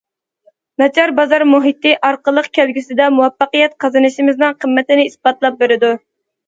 ناچار بازار مۇھىتى ئارقىلىق، كەلگۈسىدە مۇۋەپپەقىيەت قازىنىشىمىزنىڭ قىممىتىنى ئىسپاتلاپ بېرىدۇ.